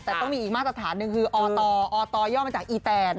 แต่ต้องมีอีกมาตรฐานหนึ่งคืออตอบย่อมาจากอีแตน